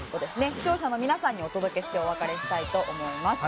視聴者の皆さんにお届けしてお別れしたいと思います。